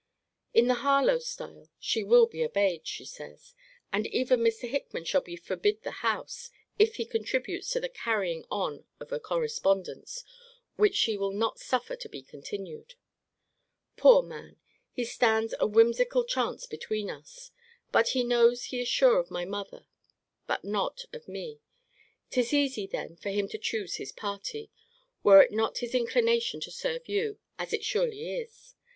In the Harlowe style, She will be obeyed, she says: and even Mr. Hickman shall be forbid the house, if he contributes to the carrying on of a correspondence which she will not suffer to be continued. Poor man! He stands a whimsical chance between us. But he knows he is sure of my mother; but not of me. 'Tis easy then for him to choose his party, were it not his inclination to serve you, as it surely is.